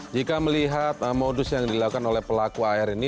jika melihat modus yang dilakukan oleh pelaku ar ini